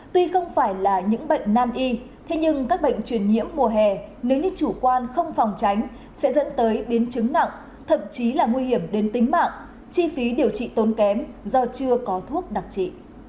tuy không phải là những bệnh nan y thế nhưng các bệnh truyền nhiễm mùa hè nếu như chủ quan không phòng tránh sẽ dẫn tới biến chứng nặng thậm chí là nguy hiểm đến tính mạng chi phí điều trị tốn kém do chưa có thuốc đặc trị